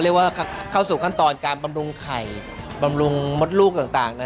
เรียกว่าเข้าสู่ขั้นตอนการบำรุงไข่บำรุงมดลูกต่างนะ